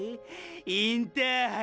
インターハイ